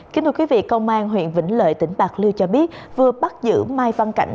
kính thưa quý vị công an huyện vĩnh lợi tỉnh bạc liêu cho biết vừa bắt giữ mai văn cảnh